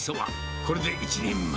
これで１人前。